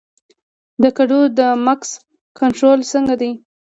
د کدو د مګس کنټرول څنګه دی؟